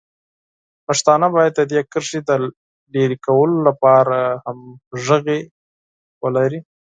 پښتانه باید د دې کرښې د لرې کولو لپاره همغږي ولري.